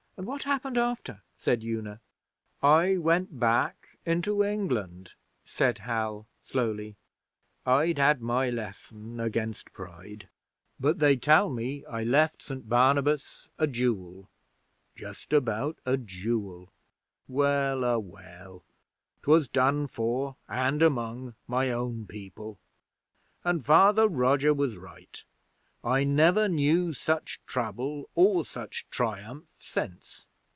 'And what happened after?' said Una. 'I went back into England,' said Hal, slowly. 'I'd had my lesson against pride. But they tell me I left St Barnabas' a jewel justabout a jewel! Wel a well! 'Twas done for and among my own people, and Father Roger was right I never knew such trouble or such triumph since.